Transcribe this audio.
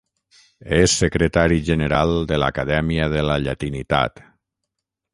És secretari general de l’Acadèmia de la Llatinitat.